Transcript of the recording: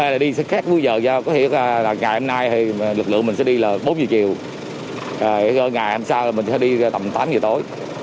lực lượng mình sẽ đi là bốn giờ chiều ngày hôm sau mình sẽ đi tầm tám giờ tối